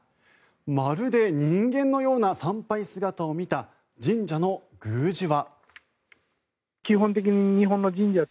まるで人間のような参拝姿を見た神社の宮司は。